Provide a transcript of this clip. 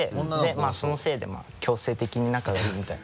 まぁそのせいで強制的に仲がいいみたいな。